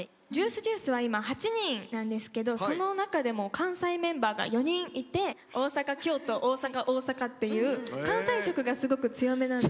Ｊｕｉｃｅ＝Ｊｕｉｃｅは今８人なんですけどその中でも関西メンバーが４人いて大阪京都大阪大阪っていう関西色がすごく強めなんですけど。